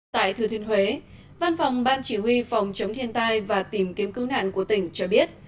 tại thừa thiên huế văn phòng ban chỉ huy phòng chống thiên tai và tìm kiếm cứu nạn của tỉnh cho biết